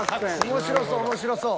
面白そう面白そう。